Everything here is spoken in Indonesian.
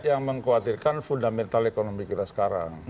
yang mengkhawatirkan fundamental ekonomi kita sekarang